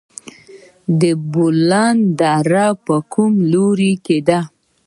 د بولان دره په کوم لوري کې ده؟